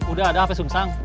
udah ada hape sum sang